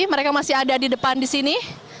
mereka masih ada di depan di sini